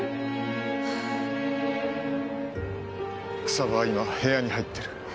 草葉は今部屋に入ってる。